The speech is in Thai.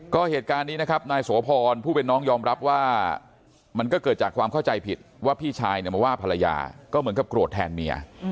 ก็เหตุการณ์นี้นะครับนายโสพรผู้เป็นน้องยอมรับว่ามันก็เกิดจากความเข้าใจผิดว่าพี่ชายเนี่ยมาว่าภรรยาก็เหมือนกับโกรธแทนเมีย